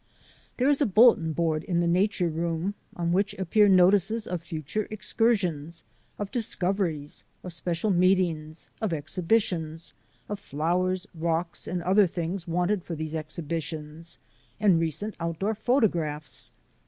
There is a bulletin board in the nature room on which appear notices of future excursions, of discov eries, of special meetings, of exhibitions, of flowers, rocks, and other things wanted for these exhibitions, and recent outdoor photographs.